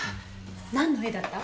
なんの絵だった？